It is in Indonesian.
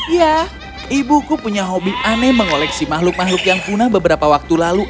ya ibuku punya hobi aneh mengoleksi makhluk makhluk yang punah beberapa waktu lalu